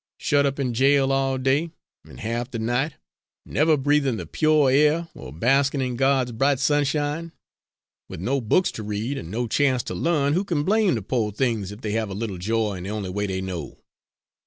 "Shut up in jail all day, an' half the night, never breathin' the pyo' air, or baskin' in God's bright sunshine; with no books to read an' no chance to learn, who can blame the po'r things if they have a little joy in the only way they know?"